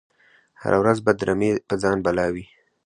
هره ورځ به د رمی په ځان بلا وي